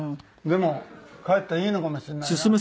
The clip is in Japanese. でもかえっていいのかもしれないな。